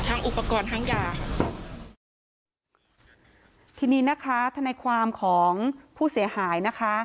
อุปกรณ์ทั้งยาค่ะทีนี้นะคะทนายความของผู้เสียหายนะคะ